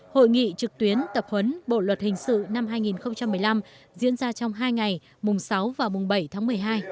hội nghị trực tuyến tập huấn bộ luật hình sự năm hai nghìn một mươi năm diễn ra trong hai ngày mùng sáu và mùng bảy tháng một mươi hai